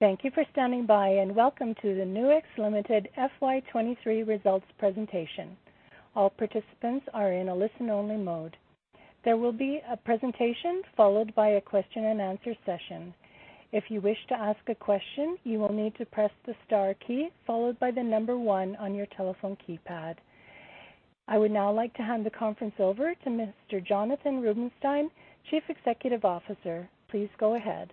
Thank you for standing by, and welcome to the Nuix Limited FY23 results presentation. All participants are in a listen-only mode. There will be a presentation followed by a question and answer session. If you wish to ask a question, you will need to press the star key, followed by the number 1 on your telephone keypad. I would now like to hand the conference over to Mr. Jonathan Rubinsztein, Chief Executive Officer. Please go ahead.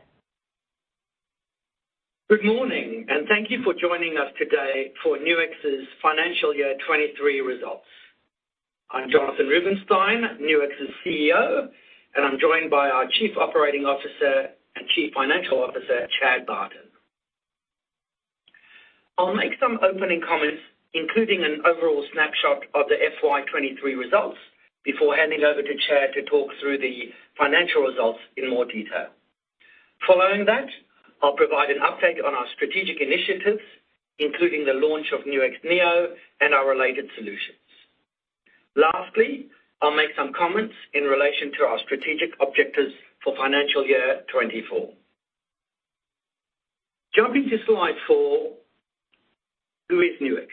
Good morning, and thank you for joining us today for Nuix's FY23 results. I'm Jonathan Rubinsztein, Nuix's CEO, and I'm joined by our Chief Operating Officer and Chief Financial Officer, Chad Barton. I'll make some opening comments, including an overall snapshot of the FY23 results, before handing over to Chad to talk through the financial results in more detail. Following that, I'll provide an update on our strategic initiatives, including the launch of Nuix Neo and our related solutions. Lastly, I'll make some comments in relation to our strategic objectives for FY24. Jumping to slide four, who is Nuix?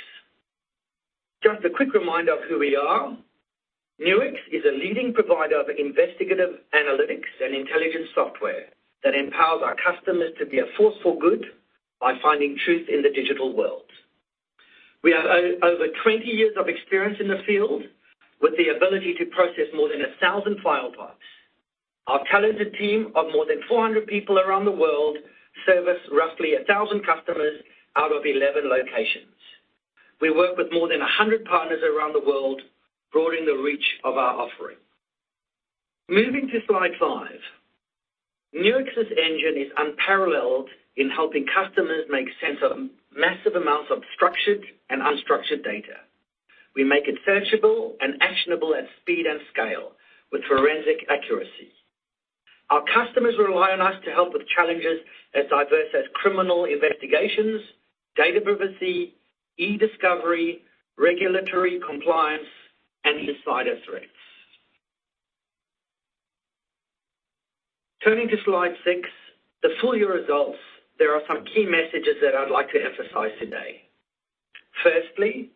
Just a quick reminder of who we are. Nuix is a leading provider of investigative, analytics, and intelligence software that empowers our customers to be a force for good by finding truth in the digital world. We have over 20 years of experience in the field, with the ability to process more than 1,000 file parts. Our talented team of more than 400 people around the world service roughly 1,000 customers out of 11 locations. We work with more than 100 partners around the world, broadening the reach of our offering. Moving to slide five. Nuix's engine is unparalleled in helping customers make sense of massive amounts of structured and unstructured data. We make it searchable and actionable at speed and scale with forensic accuracy. Our customers rely on us to help with challenges as diverse as criminal investigations, data privacy, e-discovery, regulatory compliance, and insider threats. Turning to slide 6, the full year results, there are some key messages that I'd like to emphasize today. Firstly,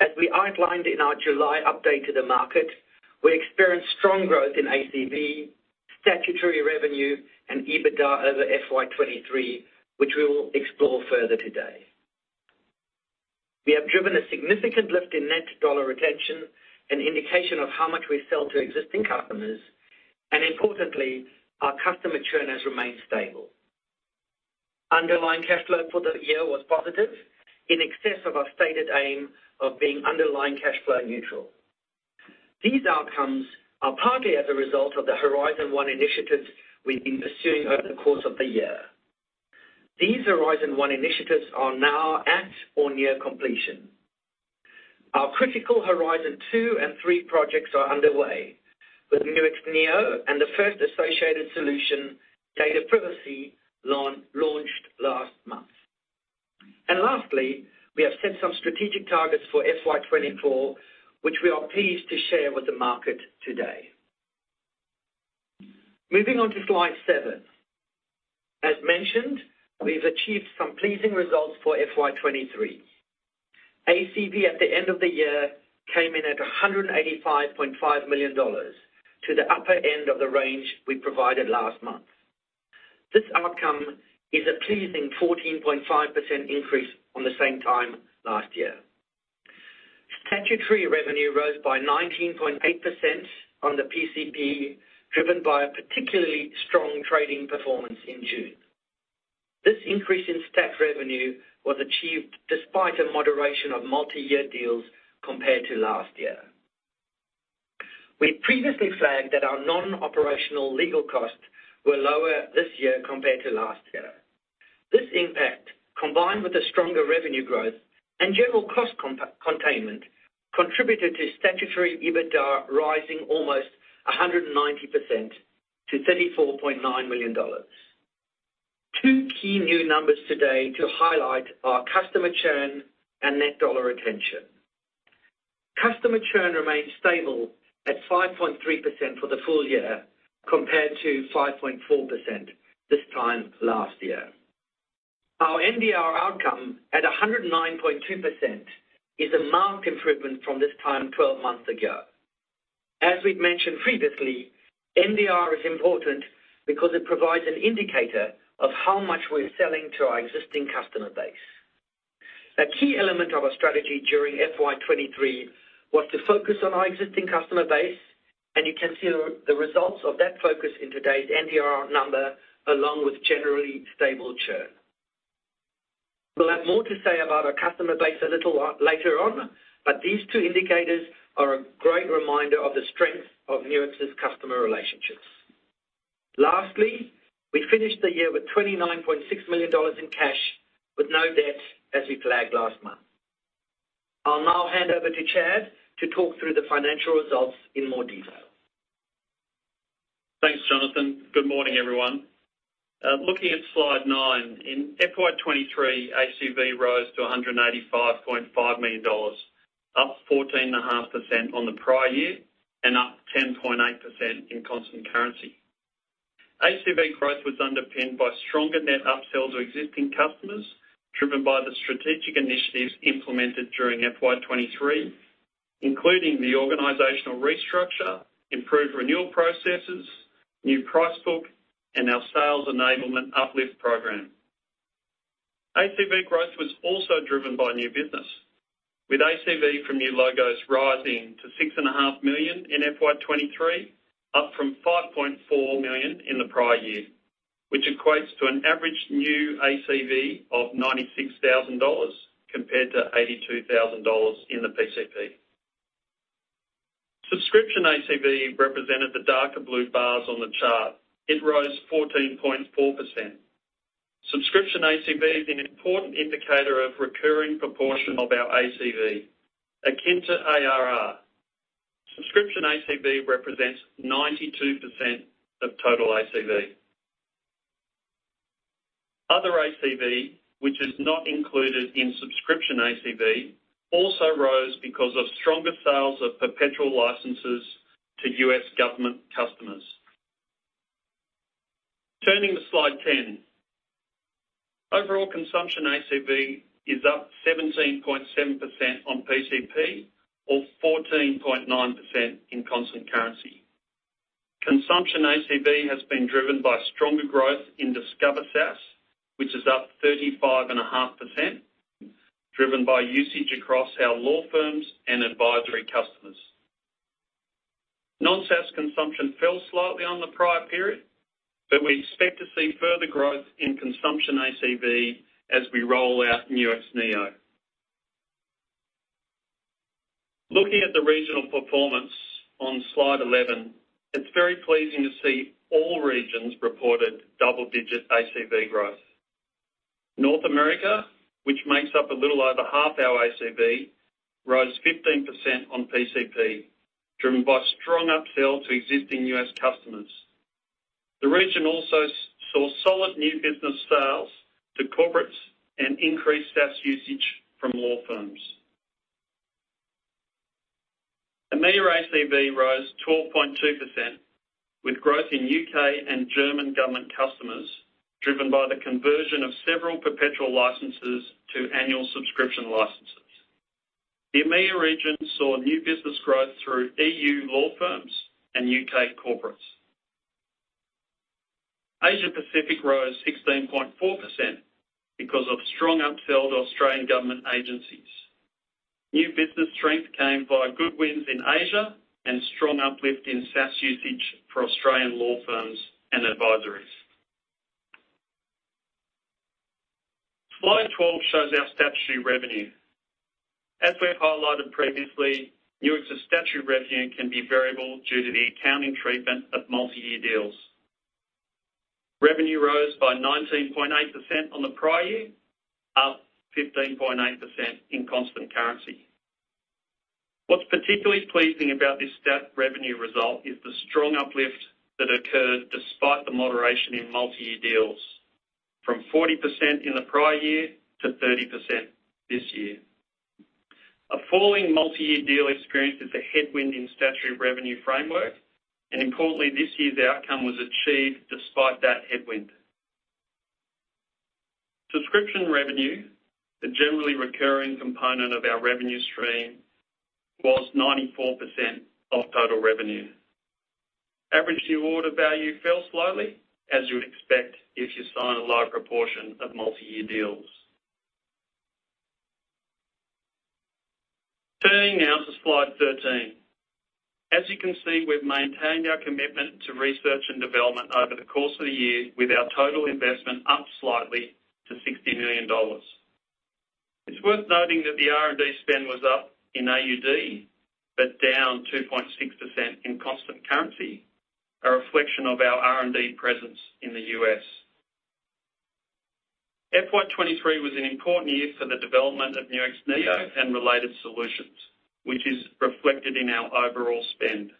as we outlined in our July update to the market, we experienced strong growth in ACV, statutory revenue, and EBITDA over FY23, which we will explore further today. We have driven a significant lift in Net Dollar Retention, an indication of how much we sell to existing customers. Importantly, our customer churn has remained stable. Underlying cash flow for the year was positive, in excess of our stated aim of being underlying cash flow neutral. These outcomes are partly as a result of the Horizon One initiatives we've been pursuing over the course of the year. These Horizon One initiatives are now at or near completion. Our critical Horizon Two and Three projects are underway, with Nuix Neo and the first associated solution, Data Privacy, launched last month. Lastly, we have set some strategic targets for FY24, which we are pleased to share with the market today. Moving on to slide 7. As mentioned, we've achieved some pleasing results for FY23. ACV, at the end of the year, came in at $185.5 million, to the upper end of the range we provided last month. This outcome is a pleasing 14.5% increase on the same time last year. Statutory revenue rose by 19.8% on the PCP, driven by a particularly strong trading performance in June. This increase in stat revenue was achieved despite a moderation of multi-year deals compared to last year. We previously flagged that our non-operational legal costs were lower this year compared to last year. This impact, combined with a stronger revenue growth and general cost containment, contributed to statutory EBITDA rising almost 190% to 34.9 million dollars. Two key new numbers today to highlight are customer churn and Net Dollar Retention. Customer churn remains stable at 5.3% for the full year, compared to 5.4% this time last year. Our NDR outcome, at 109.2%, is a marked improvement from this time 12 months ago. As we've mentioned previously, NDR is important because it provides an indicator of how much we're selling to our existing customer base. A key element of our strategy during FY23 was to focus on our existing customer base, you can see the results of that focus in today's NDR number, along with generally stable churn. We'll have more to say about our customer base a little later on, but these two indicators are a great reminder of the strength of Nuix's customer relationships. Lastly, we finished the year with 29.6 million dollars in cash, with no debt as we flagged last month. I'll now hand over to Chad to talk through the financial results in more detail. Thanks, Jonathan. Good morning, everyone. Looking at slide nine, in FY2023, ACV rose to AUD 185.5 million, up 14.5% on the prior year and up 10.8% in constant currency. ACV growth was underpinned by stronger net upsells to existing customers, driven by the strategic initiatives implemented during FY2023, including the organizational restructure, improved renewal processes, new price book, and our sales enablement uplift program. ACV growth was also driven by new business, with ACV from new logos rising to 6.5 million in FY2023, up from 5.4 million in the prior year, which equates to an average new ACV of 96,000 dollars, compared to 82,000 dollars in the PCP. Subscription ACV represented the darker blue bars on the chart. It rose 14.4%. Subscription ACV is an important indicator of recurring proportion of our ACV, akin to ARR. Subscription ACV represents 92% of total ACV. Other ACV, which is not included in Subscription ACV, also rose because of stronger sales of perpetual licenses to US government customers. Turning to slide 10. Overall consumption ACV is up 17.7% on PCP or 14.9% in constant currency. Consumption ACV has been driven by stronger growth in Discover SaaS, which is up 35.5%, driven by usage across our law firms and advisory customers. Non-SaaS consumption fell slightly on the prior period, we expect to see further growth in consumption ACV as we roll out Nuix Neo. Looking at the regional performance on slide 11, it's very pleasing to see all regions reported double-digit ACV growth. North America, which makes up a little over half our ACV, rose 15% on PCP, driven by strong upsell to existing U.S. customers. The region also saw solid new business sales to corporates and increased SaaS usage from law firms. EMEA ACV rose 12.2%, with growth in U.K. and German government customers, driven by the conversion of several perpetual licenses to annual subscription licenses. The EMEA region saw new business growth through EU law firms and U.K. corporates. Asia Pacific rose 16.4% because of strong upsell to Australian government agencies. New business strength came via good wins in Asia and strong uplift in SaaS usage for Australian law firms and advisories. Slide 12 shows our statutory revenue. As we highlighted previously, Nuix's statutory revenue can be variable due to the accounting treatment of multi-year deals. Revenue rose by 19.8% on the prior year, up 15.8% in constant currency. What's particularly pleasing about this statutory revenue result is the strong uplift that occurred despite the moderation in multi-year deals from 40% in the prior year to 30% this year. A falling multi-year deal experience is a headwind in statutory revenue framework. Importantly, this year's outcome was achieved despite that headwind. Subscription revenue, the generally recurring component of our revenue stream, was 94% of total revenue. Average new order value fell slowly, as you'd expect if you sign a lower proportion of multi-year deals. Turning now to slide 13. As you can see, we've maintained our commitment to research and development over the course of the year, with our total investment up slightly to 60 million dollars. It's worth noting that the R&D spend was up in AUD, down 2.6% in constant currency, a reflection of our R&D presence in the US. FY23 was an important year for the development of Nuix Neo and related solutions, which is reflected in our overall spend.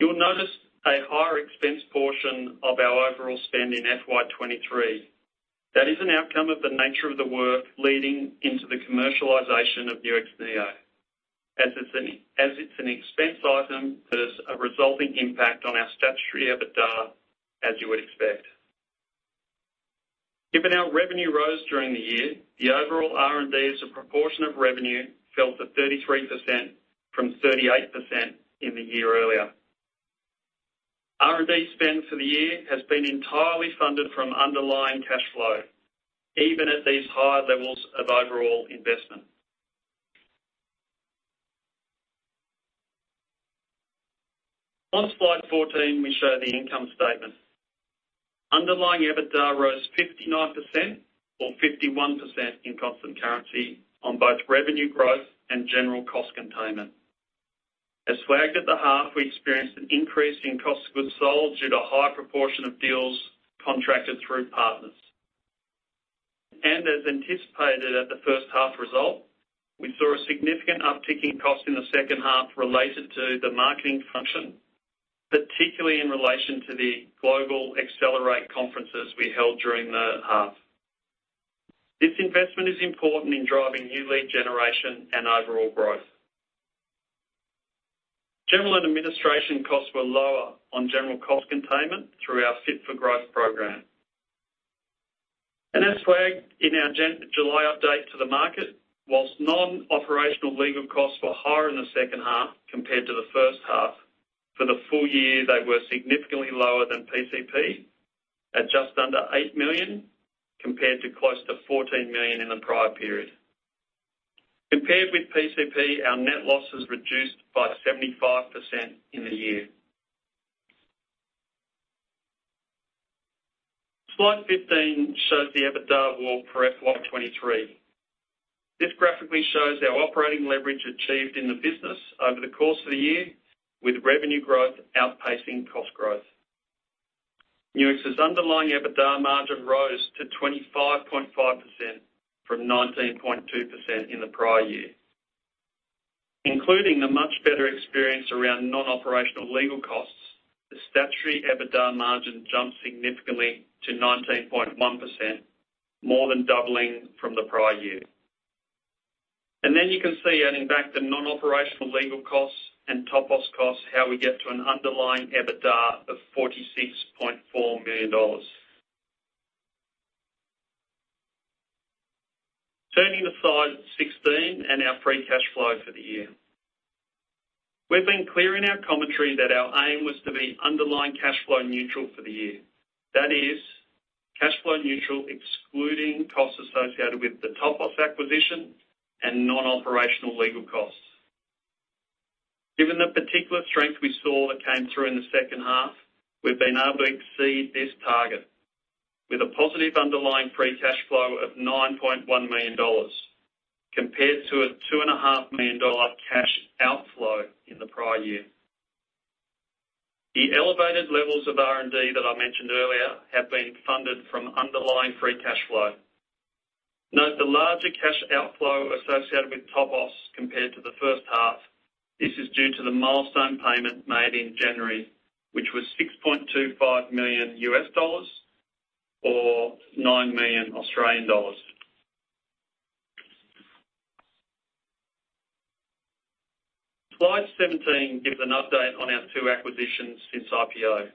You'll notice a higher expense portion of our overall spend in FY23. That is an outcome of the nature of the work leading into the commercialization of Nuix Neo. As it's an expense item, there's a resulting impact on our statutory EBITDA, as you would expect. Given our revenue rose during the year, the overall R&D as a proportion of revenue fell to 33% from 38% in the year earlier. R&D spend for the year has been entirely funded from underlying cash flow, even at these higher levels of overall investment. On slide 14, we show the income statement. Underlying EBITDA rose 59% or 51% in constant currency on both revenue growth and general cost containment. As flagged at the half, we experienced an increase in cost of goods sold due to a higher proportion of deals contracted through partners. As anticipated at the first half result, we saw a significant uptick in cost in the second half related to the marketing function.... particularly in relation to the global accelerate conferences we held during the half. This investment is important in driving new lead generation and overall growth. General and administration costs were lower on general cost containment through our Fit for Growth program. As flagged in our July update to the market, whilst non-operational legal costs were higher in the second half compared to the first half, for the full year, they were significantly lower than PCP at just under 8 million, compared to close to 14 million in the prior period. Compared with PCP, our net loss is reduced by 75% in the year. Slide 15 shows the EBITDA wall for FY23. This graphically shows our operating leverage achieved in the business over the course of the year, with revenue growth outpacing cost growth. Nuix's underlying EBITDA margin rose to 25.5% from 19.2% in the prior year. Including the much better experience around non-operational legal costs, the statutory EBITDA margin jumped significantly to 19.1%, more than doubling from the prior year. Then you can see, adding back the non-operational legal costs and Topos costs, how we get to an underlying EBITDA of $46.4 million. Turning to slide 16 and our free cash flow for the year. We've been clear in our commentary that our aim was to be underlying cash flow neutral for the year. That is, cash flow neutral, excluding costs associated with the Topos acquisition and non-operational legal costs. Given the particular strength we saw that came through in the second half, we've been able to exceed this target with a positive underlying free cash flow of $9.1 million, compared to a $2.5 million cash outflow in the prior year. The elevated levels of R&D that I mentioned earlier have been funded from underlying free cash flow. Note the larger cash outflow associated with Topos compared to the first half. This is due to the milestone payment made in January, which was $6.25 million US dollars or 9 million Australian dollars. Slide 17 gives an update on our two acquisitions since IPO.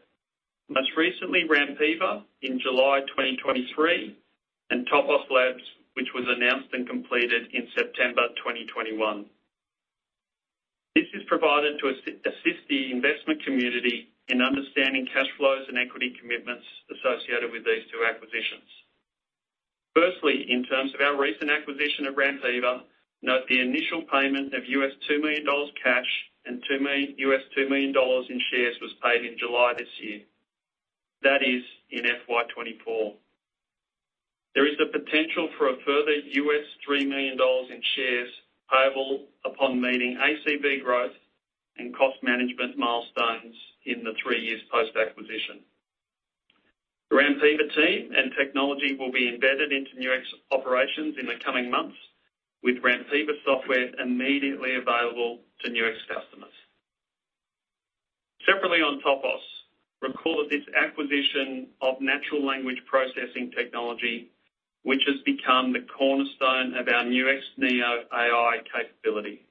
Most recently, Rampiva in July 2023, and Topos Labs, which was announced and completed in September 2021. This is provided to assist the investment community in understanding cash flows and equity commitments associated with these two acquisitions. Firstly, in terms of our recent acquisition of Rampiva, note the initial payment of $2 million US dollars cash and $2 million US dollars in shares was paid in July this year. That is in FY24. There is the potential for a further $3 million in shares payable upon meeting ACV growth and cost management milestones in the three years post-acquisition. The Rampiva team and technology will be embedded into Nuix's operations in the coming months, with Rampiva software immediately available to Nuix customers. Separately, on Topos, recall this acquisition of Natural Language Processing technology, which has become the cornerstone of our Nuix Neo AI capability.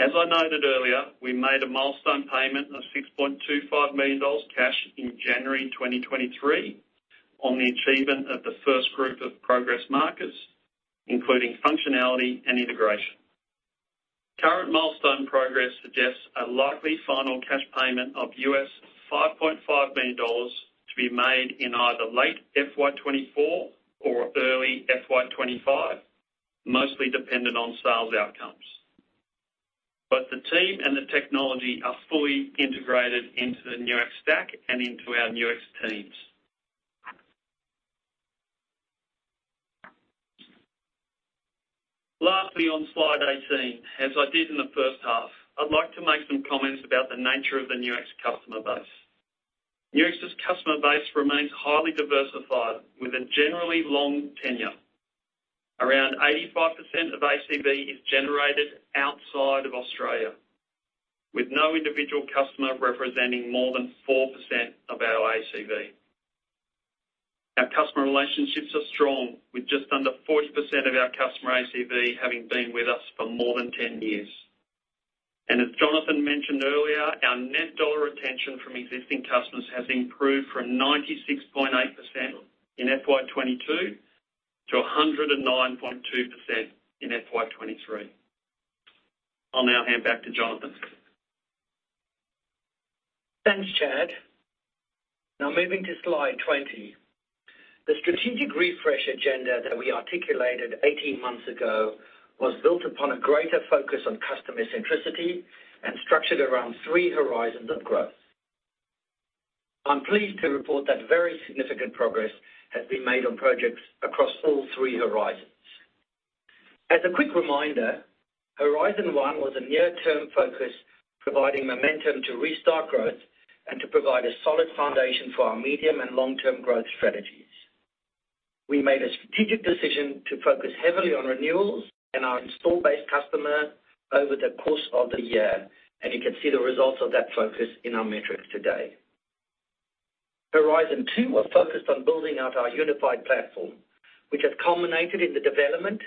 As I noted earlier, we made a milestone payment of $6.25 million cash in January 2023 on the achievement of the first group of progress markers, including functionality and integration. Current milestone progress suggests a likely final cash payment of $5.5 million to be made in either late FY24 or early FY25, mostly dependent on sales outcomes. Both the team and the technology are fully integrated into the Nuix stack and into our Nuix teams. Lastly, on slide 18, as I did in the first half, I'd like to make some comments about the nature of the Nuix customer base. Nuix's customer base remains highly diversified, with a generally long tenure. Around 85% of ACV is generated outside of Australia, with no individual customer representing more than 4% of our ACV. Our customer relationships are strong, with just under 40% of our customer ACV having been with us for more than 10 years. As Jonathan mentioned earlier, our Net Dollar Retention from existing customers has improved from 96.8% in FY22 to 109.2% in FY23. I'll now hand back to Jonathan. Thanks, Chad. Now moving to slide 20. The strategic refresh agenda that we articulated 18 months ago was built upon a greater focus on customer centricity and structured around 3 horizons of growth. I'm pleased to report that very significant progress has been made on projects across all 3 horizons. As a quick reminder, Horizon One was a near-term focus, providing momentum to restart growth and to provide a solid foundation for our medium and long-term growth strategy. We made a strategic decision to focus heavily on renewals and our install base customer over the course of the year, you can see the results of that focus in our metrics today. Horizon Two was focused on building out our unified platform, which has culminated in the development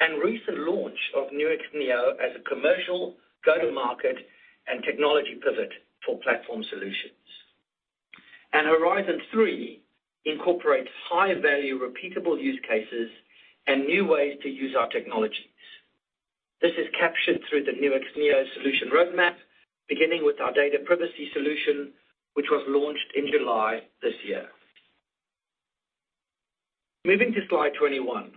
and recent launch of Nuix Neo as a commercial go-to-market and technology pivot for platform solutions. Horizon Three incorporates high-value, repeatable use cases and new ways to use our technologies. This is captured through the Nuix Neo solution roadmap, beginning with our data privacy solution, which was launched in July this year. Moving to slide 21.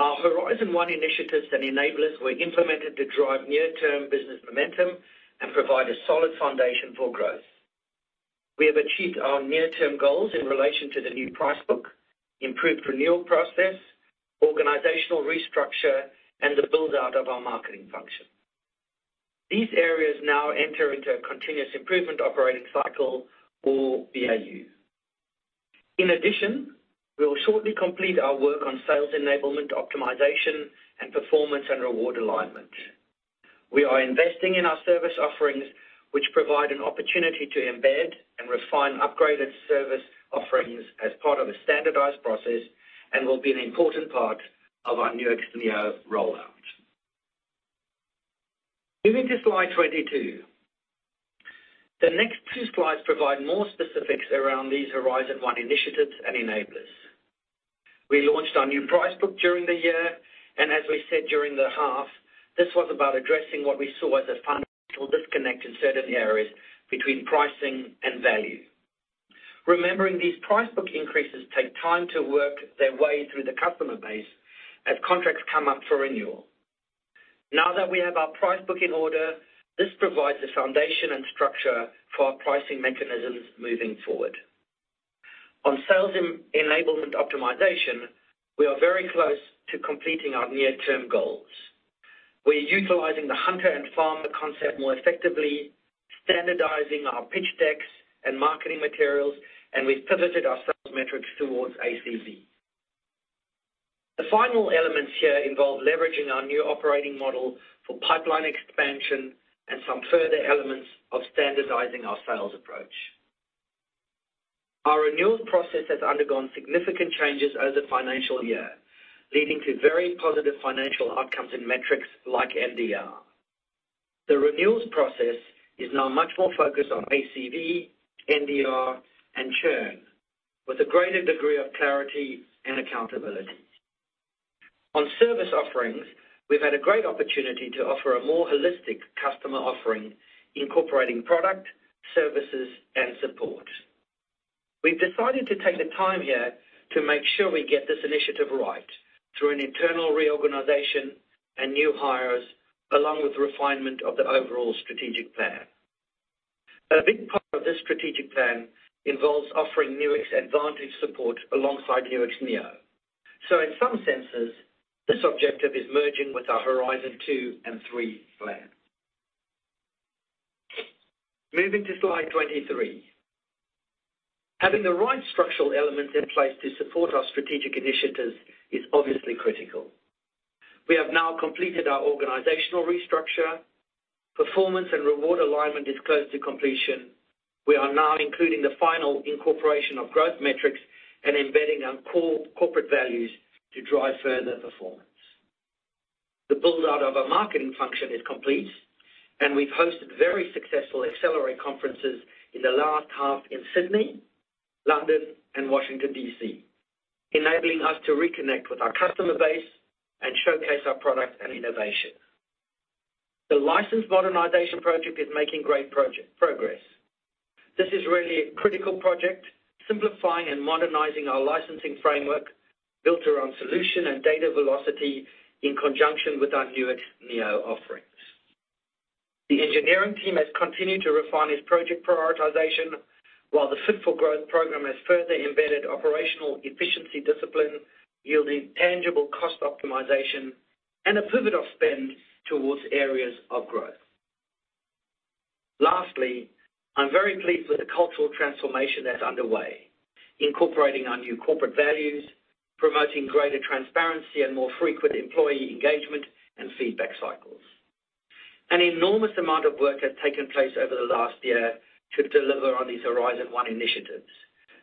Our Horizon One initiatives and enablers were implemented to drive near-term business momentum and provide a solid foundation for growth. We have achieved our near-term goals in relation to the new price book, improved renewal process, organizational restructure, and the build-out of our marketing function. These areas now enter into a continuous improvement operating cycle or BAU. In addition, we will shortly complete our work on sales enablement, optimization, and performance and reward alignment. We are investing in our service offerings, which provide an opportunity to embed and refine upgraded service offerings as part of a standardized process and will be an important part of our Nuix Neo rollout. Moving to slide 22. The next two slides provide more specifics around these Horizon One initiatives and enablers. We launched our new price book during the year, and as we said during the half, this was about addressing what we saw as a fundamental disconnect in certain areas between pricing and value. Remembering these price book increases take time to work their way through the customer base as contracts come up for renewal. Now that we have our price book in order, this provides a foundation and structure for our pricing mechanisms moving forward. On sales enablement optimization, we are very close to completing our near-term goals. We're utilizing the hunter and farmer concept more effectively, standardizing our pitch decks and marketing materials, and we've pivoted our sales metrics towards ACV. The final elements here involve leveraging our new operating model for pipeline expansion and some further elements of standardizing our sales approach. Our renewals process has undergone significant changes over the financial year, leading to very positive financial outcomes and metrics like NDR. The renewals process is now much more focused on ACV, NDR, and churn, with a greater degree of clarity and accountability. On service offerings, we've had a great opportunity to offer a more holistic customer offering, incorporating product, services, and support. We've decided to take the time here to make sure we get this initiative right through an internal reorganization and new hires, along with refinement of the overall strategic plan. A big part of this strategic plan involves offering Nuix Advantage support alongside Nuix Neo. In some senses, this objective is merging with our Horizon Two and Three plan. Moving to slide 23. Having the right structural elements in place to support our strategic initiatives is obviously critical. We have now completed our organizational restructure. Performance and reward alignment is close to completion. We are now including the final incorporation of growth metrics and embedding our core corporate values to drive further performance. The build-out of our marketing function is complete, and we've hosted very successful XLR8 conferences in the last half in Sydney, London, and Washington, D.C., enabling us to reconnect with our customer base and showcase our products and innovation. The license modernization project is making great progress. This is really a critical project, simplifying and modernizing our licensing framework built around solution and data velocity in conjunction with our Nuix Neo offerings. The engineering team has continued to refine its project prioritization, while the Fit for Growth program has further embedded operational efficiency discipline, yielding tangible cost optimization and a pivot of spend towards areas of growth. Lastly, I'm very pleased with the cultural transformation that's underway, incorporating our new corporate values, promoting greater transparency and more frequent employee engagement and feedback cycles. An enormous amount of work has taken place over the last year to deliver on these Horizon One initiatives,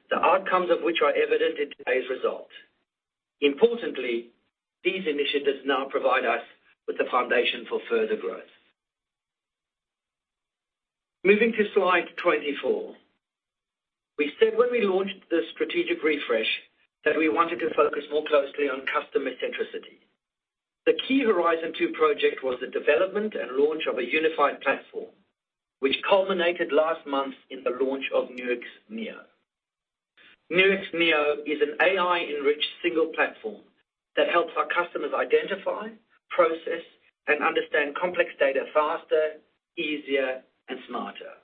the outcomes of which are evident in today's result. Importantly, these initiatives now provide us with the foundation for further growth. Moving to slide 24. We said when we launched the strategic refresh, that we wanted to focus more closely on customer centricity. The key Horizon Two project was the development and launch of a unified platform, which culminated last month in the launch of Nuix Neo. Nuix Neo is an AI-enriched single platform that helps our customers identify, process, and understand complex data faster, easier, and smarter.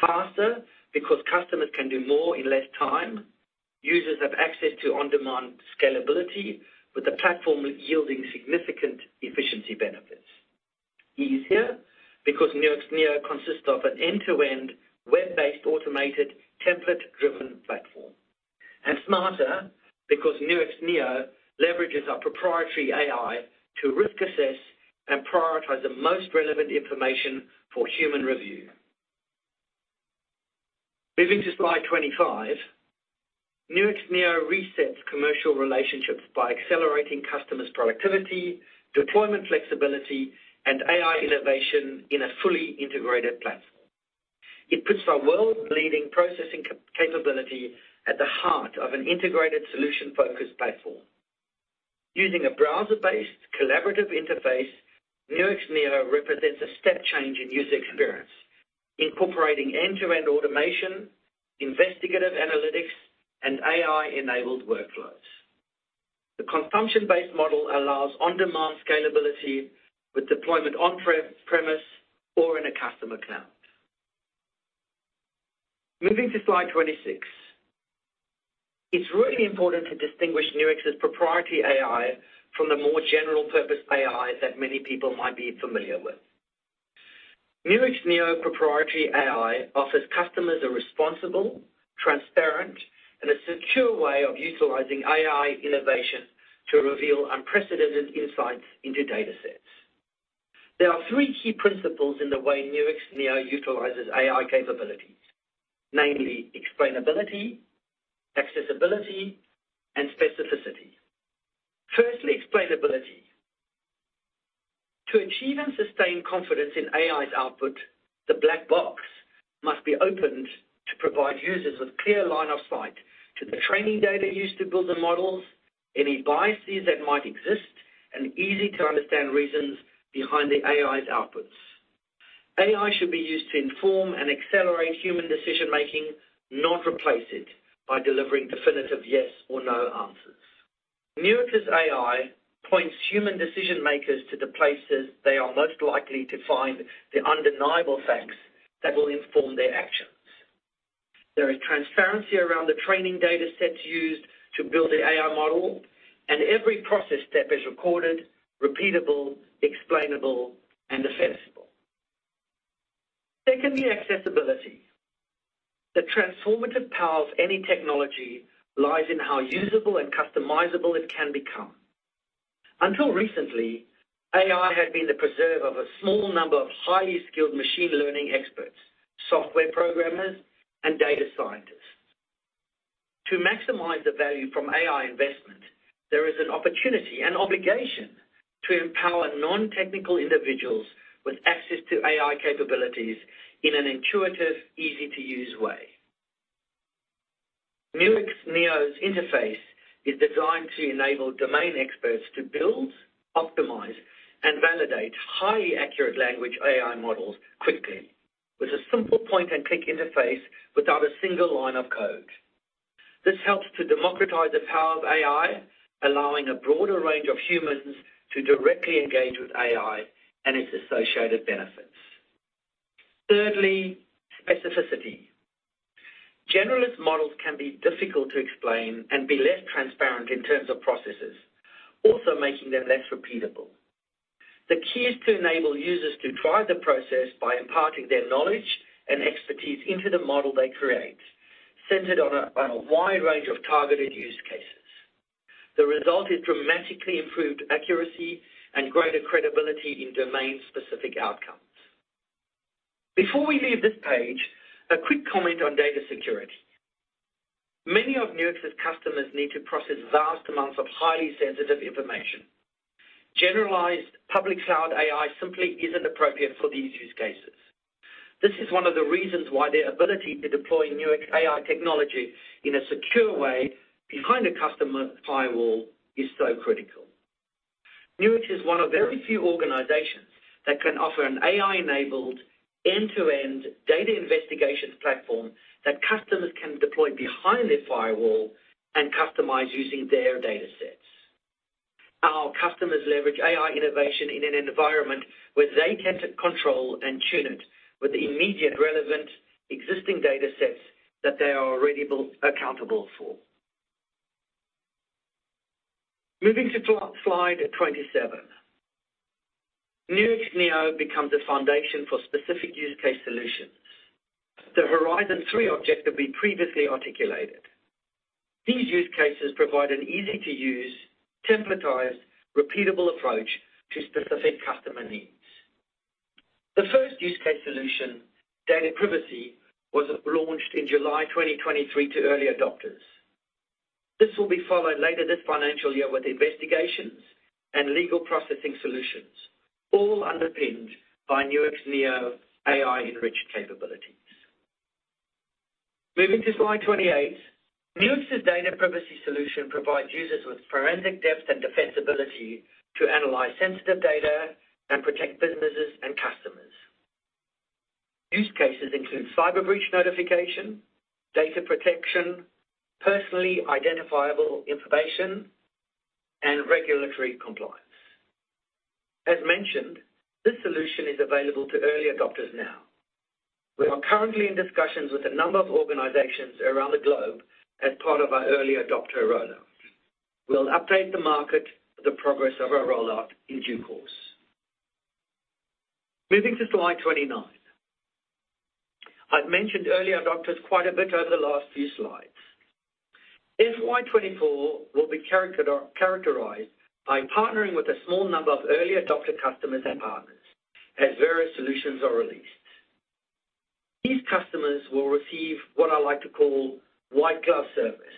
Faster, because customers can do more in less time. Users have access to on-demand scalability, with the platform yielding significant efficiency benefits. Easier because Nuix Neo consists of an end-to-end, web-based, automated, template-driven platform. Smarter, because Nuix Neo leverages our proprietary AI to risk assess and prioritize the most relevant information for human review. Moving to slide 25, Nuix Neo resets commercial relationships by accelerating customers' productivity, deployment flexibility, and AI innovation in a fully integrated platform. It puts our world-leading processing capability at the heart of an integrated solution-focused platform. Using a browser-based collaborative interface, Nuix Neo represents a step change in user experience, incorporating end-to-end automation, investigative analytics, and AI-enabled workflows. The consumption-based model allows on-demand scalability with deployment on-premise or in a customer cloud. Moving to slide 26. It's really important to distinguish Nuix's proprietary AI from the more general-purpose AI that many people might be familiar with. Nuix Neo proprietary AI offers customers a responsible, transparent, and a secure way of utilizing AI innovation to reveal unprecedented insights into data sets. There are three key principles in the way Nuix Neo utilizes AI capabilities, namely explainability, accessibility, and specificity. Firstly, explainability. To achieve and sustain confidence in AI's output, the black box must be opened to provide users with clear line of sight to the training data used to build the models, any biases that might exist, and easy-to-understand reasons behind the AI's outputs. AI should be used to inform and accelerate human decision-making, not replace it by delivering definitive yes or no answers. Nuix's AI points human decision-makers to the places they are most likely to find the undeniable facts that will inform their actions. There is transparency around the training data sets used to build the AI model, and every process step is recorded, repeatable, explainable, and defensible. Secondly, accessibility. The transformative power of any technology lies in how usable and customizable it can become. Until recently, AI had been the preserve of a small number of highly skilled machine learning experts, software programmers, and data scientists. To maximize the value from AI investment, there is an opportunity and obligation to empower non-technical individuals with access to AI capabilities in an intuitive, easy-to-use way. Nuix Neo's interface is designed to enable domain experts to build, optimize, and validate highly accurate language AI models quickly, with a simple point-and-click interface without a single line of code. This helps to democratize the power of AI, allowing a broader range of humans to directly engage with AI and its associated benefits. Thirdly, specificity. Generalist models can be difficult to explain and be less transparent in terms of processes, also making them less repeatable. The key is to enable users to drive the process by imparting their knowledge and expertise into the model they create, centered on a wide range of targeted use cases. The result is dramatically improved accuracy and greater credibility in domain-specific outcomes. Before we leave this page, a quick comment on data security. Many of Nuix's customers need to process vast amounts of highly sensitive information. Generalized public cloud AI simply isn't appropriate for these use cases. This is one of the reasons why their ability to deploy Nuix AI technology in a secure way behind a customer firewall is so critical. Nuix is one of very few organizations that can offer an AI-enabled, end-to-end data investigations platform that customers can deploy behind their firewall and customize using their data sets. Our customers leverage AI innovation in an environment where they can control and tune it with the immediate relevant existing data sets that they are already built accountable for. Moving to slide 27. Nuix Neo becomes the foundation for specific use case solutions, the Horizon Three objective we previously articulated. These use cases provide an easy-to-use, templatized, repeatable approach to specific customer needs. The first use case solution, Data Privacy, was launched in July 2023 to early adopters. This will be followed later this financial year with investigations and legal processing solutions, all underpinned by Nuix Neo AI-enriched capabilities. Moving to slide 28, Nuix's data privacy solution provides users with forensic depth and defensibility to analyze sensitive data and protect businesses and customers. Use cases include cyber breach notification, data protection, personally identifiable information, and regulatory compliance. As mentioned, this solution is available to early adopters now. We are currently in discussions with a number of organizations around the globe as part of our early adopter rollout. We'll update the market the progress of our rollout in due course. Moving to slide 29. I've mentioned early adopters quite a bit over the last few slides. FY24 will be charactered or characterized by partnering with a small number of early adopter customers and partners as various solutions are released. These customers will receive what I like to call white glove service.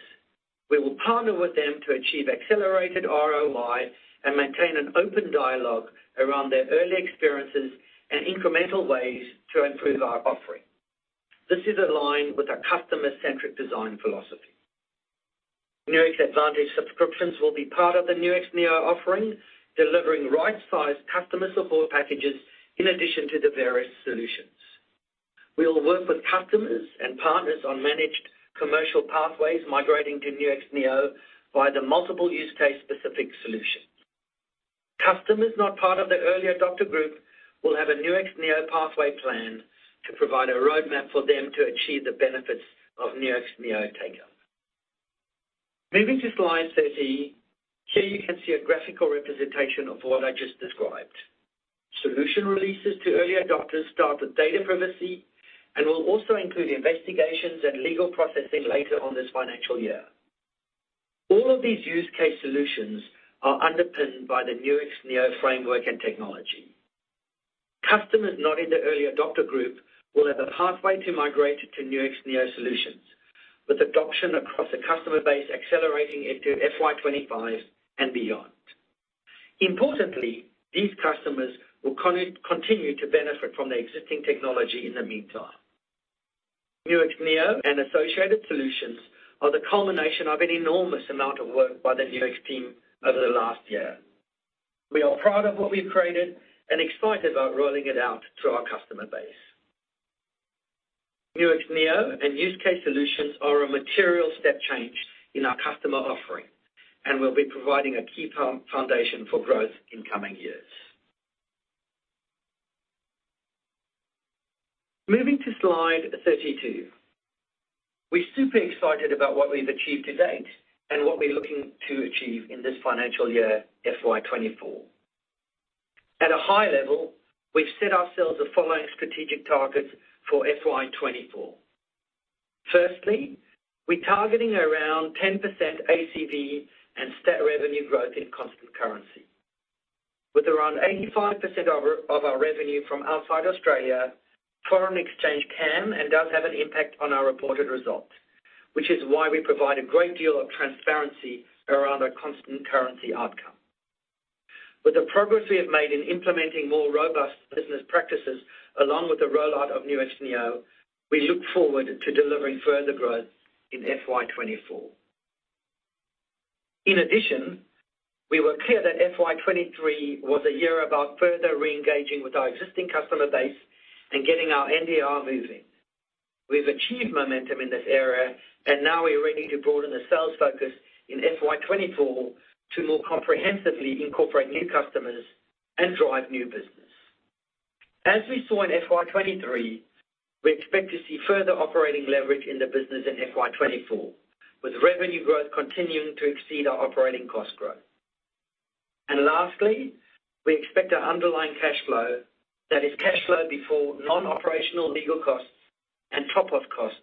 We will partner with them to achieve accelerated ROI and maintain an open dialogue around their early experiences and incremental ways to improve our offering. This is aligned with our customer-centric design philosophy. Nuix Advantage subscriptions will be part of the Nuix Neo offering, delivering right-sized customer support packages in addition to the various solutions. We will work with customers and partners on managed commercial pathways migrating to Nuix Neo by the multiple use case specific solutions. Customers not part of the early adopter group will have a Nuix Neo pathway plan to provide a roadmap for them to achieve the benefits of Nuix Neo later. Moving to slide 30, here you can see a graphical representation of what I just described. Solution releases to early adopters start with data privacy and will also include investigations and legal processing later on this financial year. All of these use case solutions are underpinned by the Nuix Neo framework and technology. Customers not in the early adopter group will have a pathway to migrate to Nuix Neo solutions, with adoption across the customer base accelerating into FY25 and beyond. Importantly, these customers will continue to benefit from the existing technology in the meantime. Nuix Neo and associated solutions are the culmination of an enormous amount of work by the Nuix team over the last year. We are proud of what we've created and excited about rolling it out to our customer base. Nuix Neo and use case solutions are a material step change in our customer offering and will be providing a key foundation for growth in coming years. Moving to slide 32. We're super excited about what we've achieved to date and what we're looking to achieve in this financial year, FY24. At a high level, we've set ourselves the following strategic targets for FY24. Firstly, we're targeting around 10% ACV and stat revenue growth in constant currency. With around 85% of our, of our revenue from outside Australia, foreign exchange can and does have an impact on our reported results, which is why we provide a great deal of transparency around our constant currency outcome. With the progress we have made in implementing more robust business practices, along with the rollout of Nuix Neo, we look forward to delivering further growth in FY24. In addition, we were clear that FY23 was a year about further reengaging with our existing customer base and getting our NDR moving. We've achieved momentum in this area, now we're ready to broaden the sales focus in FY24 to more comprehensively incorporate new customers and drive new business. As we saw in FY23, we expect to see further operating leverage in the business in FY24, with revenue growth continuing to exceed our operating cost growth. Lastly, we expect our underlying cash flow, that is, cash flow before non-operational legal costs and Topos costs,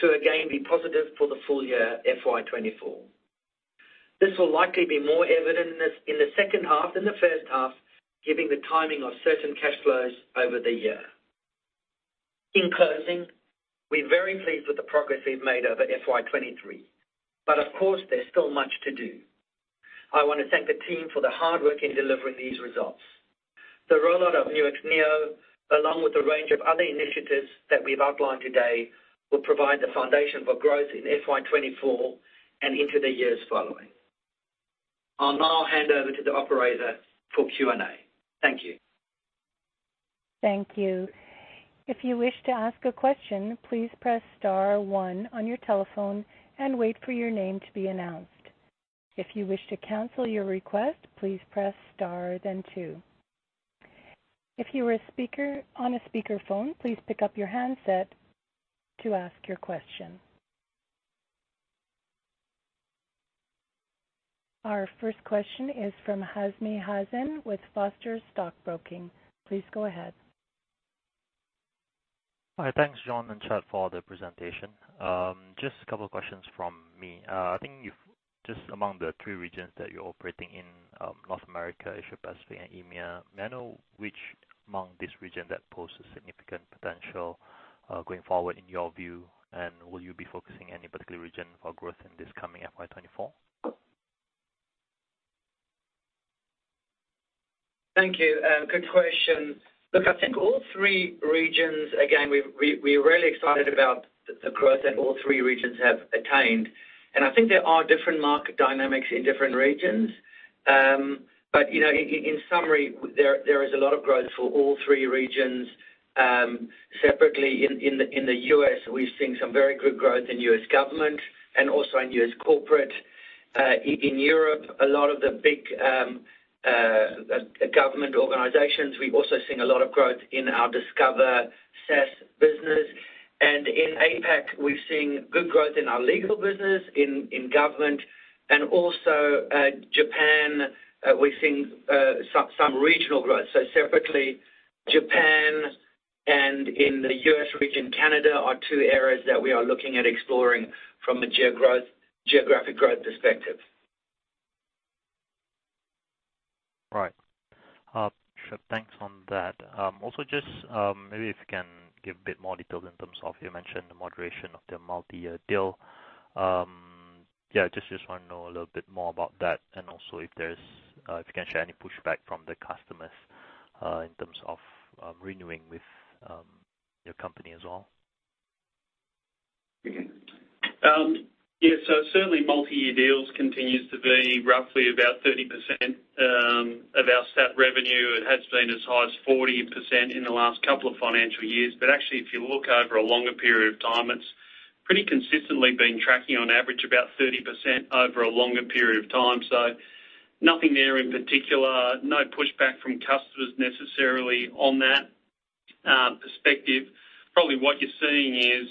to again be positive for the full year FY24. This will likely be more evident in the second half than the first half, given the timing of certain cash flows over the year. In closing, we're very pleased with the progress we've made over FY23, but of course, there's still much to do. I want to thank the team for the hard work in delivering these results. The rollout of Nuix Neo, along with a range of other initiatives that we've outlined today, will provide the foundation for growth in FY24 and into the years following. I'll now hand over to the operator for Q&A. Thank you. Thank you. If you wish to ask a question, please press star one on your telephone and wait for your name to be announced. If you wish to cancel your request, please press star, then two. If you are a speaker on a speakerphone, please pick up your handset to ask your question. Our first question is from Hazmy Hazin with Foster Stockbroking. Please go ahead. Hi. Thanks, Jon and Chad, for the presentation. Just a couple of questions from me. Just among the 3 regions that you're operating in, North America, Asia Pacific, and EMEA, may I know which among this region that poses significant potential, going forward in your view, and will you be focusing any particular region for growth in this coming FY24? Thank you. Good question. Look, I think all three regions, again, we've, we, we're really excited about the growth that all three regions have attained, and I think there are different market dynamics in different regions. But, you know, in, in, in summary, there, there is a lot of growth for all three regions. Separately, in, in the, in the U.S., we've seen some very good growth in U.S. government and also in U.S. corporate. In Europe, a lot of the big, government organizations, we've also seen a lot of growth in our Discover SaaS business. In APAC, we've seen good growth in our legal business, in, in government, and also Japan, we've seen some regional growth. Separately, Japan and in the US region, Canada, are two areas that we are looking at exploring from a geographic growth perspective. Right. Sure, thanks on that. Also, just, maybe if you can give a bit more detail in terms of you mentioned the moderation of the multi-year deal. Yeah, just wanna know a little bit more about that, and also if there's, if you can share any pushback from the customers, in terms of renewing with your company as well? Okay. Yes, certainly, multi-year deals continues to be roughly about 30% of our stat revenue. It has been as high as 40% in the last 2 financial years. Actually, if you look over a longer period of time, it's pretty consistently been tracking on average, about 30% over a longer period of time. Nothing there in particular. No pushback from customers necessarily on that perspective. Probably what you're seeing is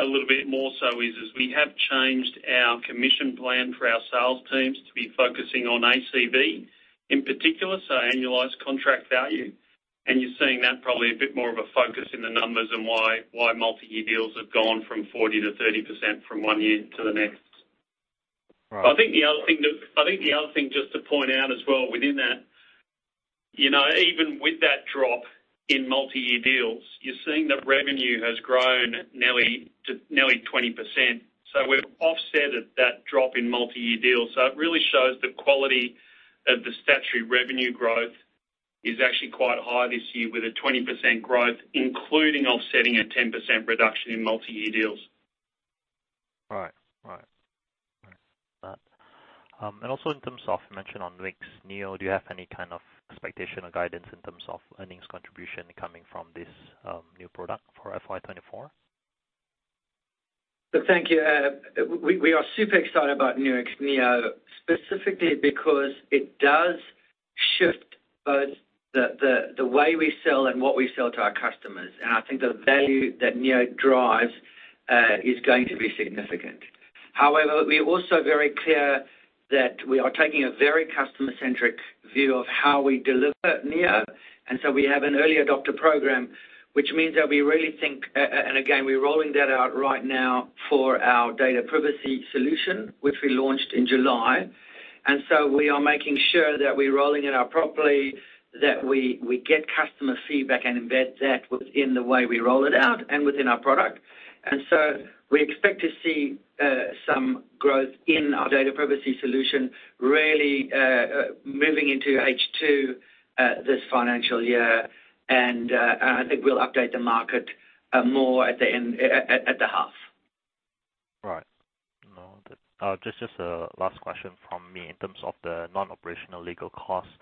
a little bit more so is we have changed our commission plan for our sales teams to be focusing on ACV, in particular, so annualized contract value. You're seeing that probably a bit more of a focus in the numbers and why, why multi-year deals have gone from 40% to 30% from 1 year to the next. Right. I think the other thing, just to point out as well within that, you know, even with that drop in multi-year deals, you're seeing the revenue has grown nearly to, nearly 20%. We've offset that drop in multi-year deals. It really shows the quality of the statutory revenue growth is actually quite high this year, with a 20% growth, including offsetting a 10% reduction in multi-year deals. Right. Right. Right. Also in terms of you mentioned on Nuix Neo, do you have any kind of expectation or guidance in terms of earnings contribution coming from this, new product for FY24? Thank you. We are super excited about Nuix Neo, specifically because it does shift both the way we sell and what we sell to our customers, and I think the value that Neo drives is going to be significant. However, we're also very clear that we are taking a very customer-centric view of how we deliver Neo. So we have an early adopter program, which means that we really think. Again, we're rolling that out right now for our data privacy solution, which we launched in July. So we are making sure that we're rolling it out properly, that we get customer feedback and embed that within the way we roll it out and within our product. We expect to see some growth in our data privacy solution really moving into H2 this financial year. I think we'll update the market more at the end, at the half. Right. No, that's... just, just a last question from me. In terms of the non-operational legal costs,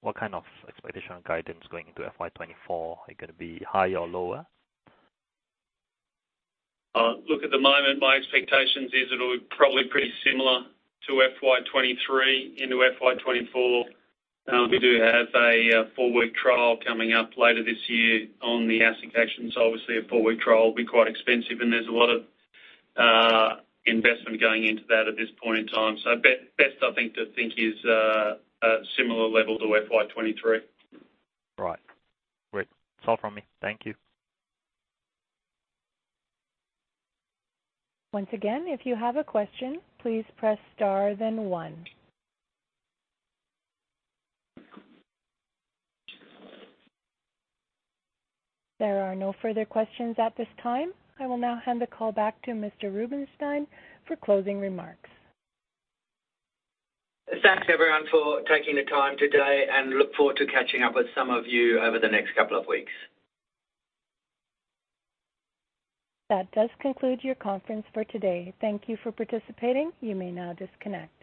what kind of expectation or guidance going into FY24? Is it gonna be higher or lower? Look, at the moment, my expectations is it'll be probably pretty similar to FY23 into FY24. We do have a 4-week trial coming up later this year on the ASIC actions. Obviously, a 4-week trial will be quite expensive, and there's a lot of investment going into that at this point in time. Best, I think, to think is a similar level to FY23. Right. Great. It's all from me. Thank you. Once again, if you have a question, please press star then one. There are no further questions at this time. I will now hand the call back to Mr. Rubinsztein for closing remarks. Thanks, everyone, for taking the time today, and look forward to catching up with some of you over the next couple of weeks. That does conclude your conference for today. Thank you for participating. You may now disconnect.